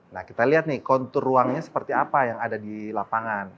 nah kita lihat nih kontur ruangnya seperti apa yang ada di lapangan